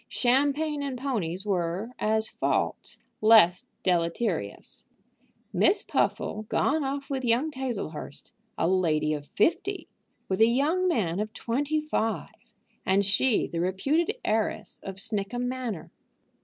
Champagne and ponies were, as faults, less deleterious. Miss Puffle gone off with young Tazlehurst, a lady of fifty, with a young man of twenty five! and she the reputed heiress of Snickham Manor!